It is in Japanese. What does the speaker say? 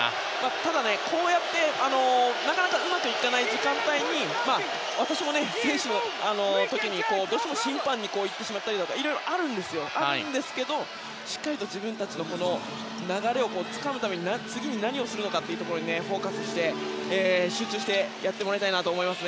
ただ、こうやってなかなかうまくいかない時間帯に私も選手の時に、どうしても審判に行ってしまったりいろいろあるんですけどしっかりと自分たちの流れをつかむために次に何をするのかにフォーカスして集中してやってもらいたいと思います。